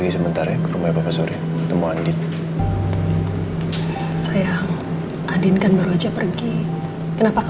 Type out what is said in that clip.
sampai jumpa di video selanjutnya